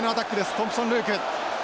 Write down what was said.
トンプソンルーク。